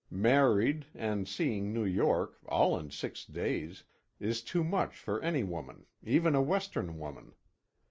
Married, and seeing New York, all in six days, is too much for any woman, even a Western woman.